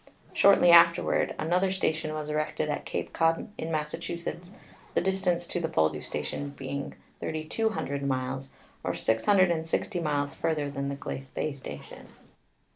Shortly afterward another station was erected at Cape Cod, in Massachusetts, the distance to the Poldhu station being 3,200 miles, or 660 miles further than the Glace Bay station.